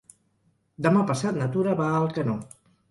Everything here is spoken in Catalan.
Demà passat na Tura va a Alcanó.